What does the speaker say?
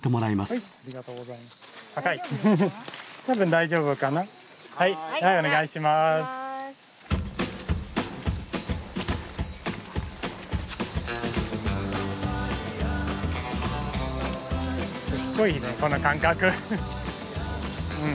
すごいねこの感覚。